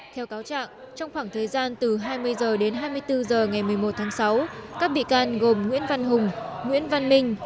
theo cáo trạng trong khoảng thời gian từ hai mươi h đến hai mươi bốn h ngày một mươi một tháng sáu các bị can gồm nguyễn văn hùng nguyễn văn minh